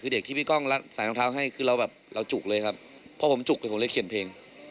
คือเด็กที่พี่ก้องรัดใส่รองเท้าให้คือเราแบบเราจุกเลยครับเพราะผมจุกเลยผมเลยเขียนเพลง